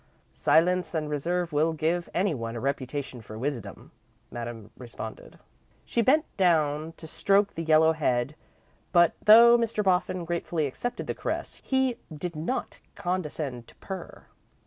"Silence and reserve will give anyone a reputation for wisdom," Madame responded. She bent down to stroke the yellow head, but, though Mr. Boffin gratefully accepted the caress, he did not condescend to purr.